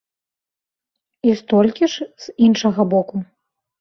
І столькі ж з іншага боку.